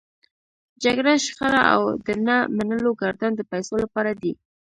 جګړه، شخړه او د نه منلو ګردان د پيسو لپاره دی.